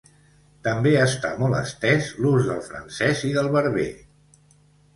També està molt estès l'ús del francès i del berber.